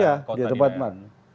iya di depan